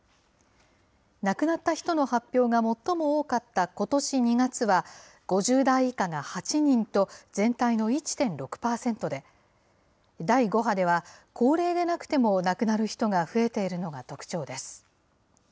亡くなった人の発表が最も多かったことし２月は、５０代以下が８人と、全体の１．６％で、第５波では、高齢でなくても亡くなる人が増えているのが特徴です。